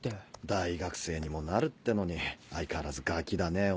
大学生にもなるってのに相変わらずガキだねお前は。